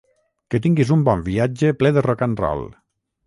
Que tinguis un bon viatge ple de rock’n’roll!